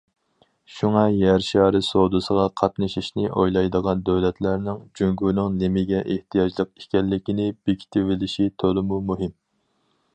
شۇڭا، يەر شارى سودىسىغا قاتنىشىشنى ئويلايدىغان دۆلەتلەرنىڭ جۇڭگونىڭ نېمىگە ئېھتىياجلىق ئىكەنلىكىنى بېكىتىۋېلىشى تولىمۇ مۇھىم.